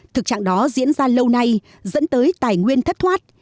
thực trạng đó diễn ra lâu nay dẫn tới tài nguyên thất thoát